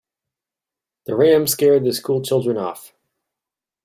The ram scared the school children off.